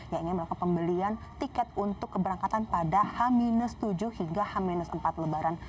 yang ingin melakukan pembelian tiket untuk keberangkatan pada h tujuh hingga h empat lebaran